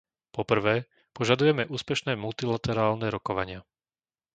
Po prvé, požadujeme úspešné multilaterálne rokovania.